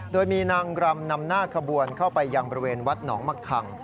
โดยมีนางรำนำหน้าขบวนเข้าไปยังบริเวณวัดหนองมะคัง